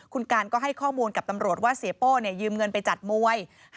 คุณการก็ให้ข้อมูลกับตำรวจว่าเสียโป้ยืมเงินไปจัดมวย